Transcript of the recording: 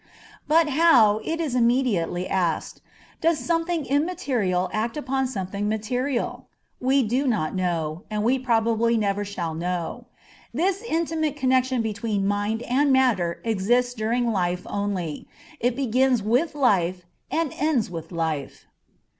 But how, it is immediately asked, does something immaterial act upon something material? We do not know, and we probably never shall know. This intimate connection between mind and matter exists during life only; it begins with life and ends with life.